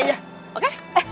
salah satu lagius nomor dua